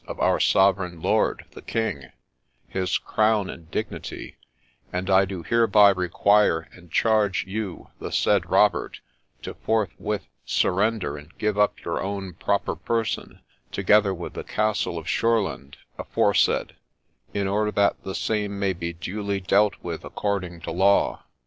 of our Sovereign Lord the King, his crown and dignity : and I do hereby require and charge you, the said Robert, to forthwith surrender and give up your own proper person, together with the castle of Shurland afore said, in order that the same may be duly dealt with according to law.